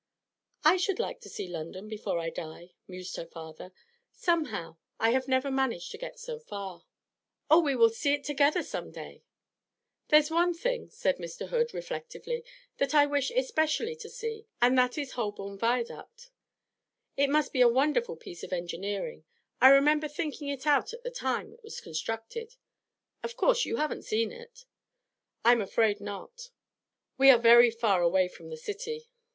'I should like to see London before I die,' mused her father. 'Somehow I have never managed to get so far.' 'Oh, we will see it together some day.' 'There's one thing,' said Mr. Hood, reflectively, 'that I wish especially to see, and that is Holborn Viaduct. It must be a wonderful piece of engineering; I remember thinking it out at the time it was constructed. Of course you have seen it?' 'I am afraid not. We are very far away from the City.